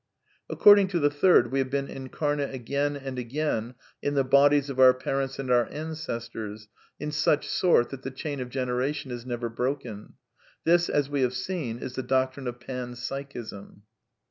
According to the third, we have been incarnate again ^ and again in the bodies of our parents and our ancestors, / in such sort that the chain of generation is never broken. This, as we have seen, is the doctrine of Pan Psychism.